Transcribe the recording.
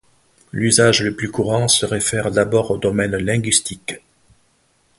L'usage le plus courant se réfère d'abord au domaine linguistique.